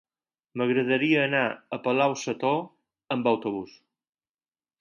M'agradaria anar a Palau-sator amb autobús.